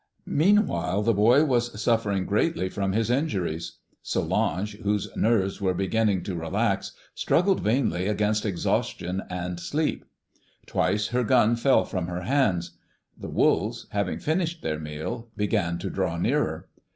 "Meanwhile the boy was suffering greatly from his injuries. Solange, whose nerves were beginning to relax, struggled vainly against exhaustion and sleep. Twice her gun fell from her hands. The wolves, having finished their meal, began to draw nearer.